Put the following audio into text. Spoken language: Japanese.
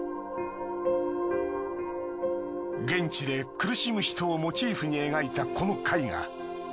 現地で苦しむ人をモチーフに描いたこの絵画。